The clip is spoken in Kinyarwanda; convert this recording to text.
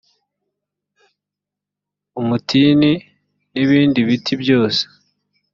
umutini n ibindi biti byose